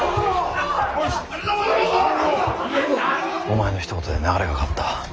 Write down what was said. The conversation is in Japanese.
お前のひと言で流れが変わった。